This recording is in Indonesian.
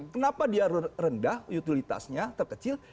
kenapa dia rendah utilitasnya terkecil